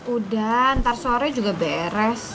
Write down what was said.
udah ntar sore juga beres